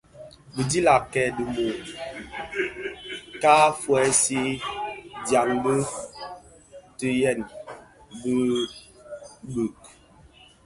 Di bidilag kè yui di kimü ka fuwèsi dyaňdi i ndegsiyèn bi bug.